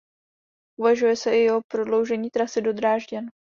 Uvažuje se i o prodloužení trasy do Drážďan.